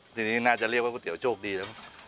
ที่นี่น่าจะเรียกว่าก๋วยเตี๋ยวโชคดี